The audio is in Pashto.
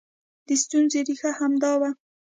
د ستونزې ریښه همدا وه